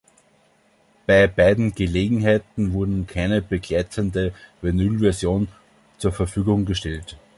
Bei beiden Gelegenheiten wurde keine begleitende Vinylversion zur Verfügung gestellt.